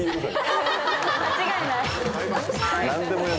間違いない。